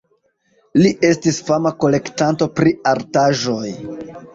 Li estis fama kolektanto pri artaĵoj.